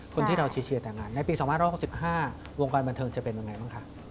คนที่เราเชียร์แต่งงานในปี๒๖๕วงการบันเทิงจะเป็นยังไงบ้างคะ